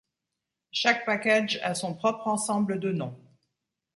Chaque package à son propre ensemble de nom.